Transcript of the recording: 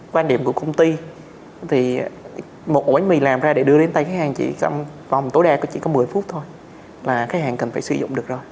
quan điểm của công ty thì một ổ bánh mì làm ra để đưa đến tay khách hàng chỉ trong vòng tối đa có chỉ có một mươi phút thôi là khách hàng cần phải sử dụng được rồi